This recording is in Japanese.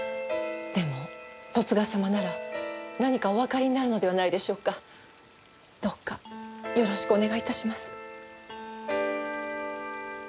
でも十津川様なら何かおわかりになるのではないでしょうか？どうかよろしくお願い致します。